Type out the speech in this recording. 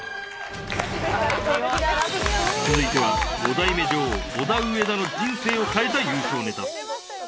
続いては５代目女王、オダウエダの人生を変えた優勝ネタ。